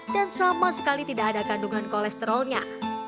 dan sama sekali tidak ada kandungan kolesterolnya